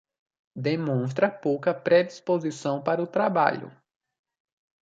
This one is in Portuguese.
Demonstra pouca predisposição para o trabalho.